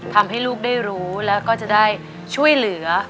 ทำให้ลูกได้รู้แล้วก็จะได้ช่วยเหลือ